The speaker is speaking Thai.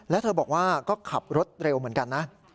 แล้วเธอบอกว่าก็ขับรถเร็วเหมือนกันนะ